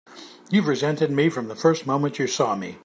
You've resented me from the first moment you saw me!